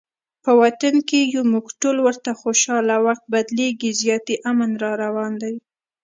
په وطن کې یو مونږ ټول ورته خوشحاله، وخت بدلیږي زیاتي امن راروان دی